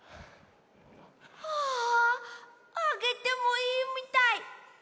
ああげてもいいみたい。